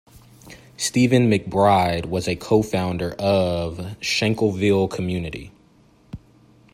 Stephen McBride was a co-founder of Shankleville Community.